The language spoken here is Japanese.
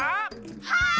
はい！